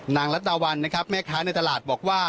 ลัดดาวันนะครับแม่ค้าในตลาดบอกว่า